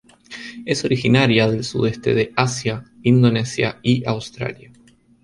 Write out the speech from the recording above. Es originaria del Sudeste de Asia, Indonesia y Australia.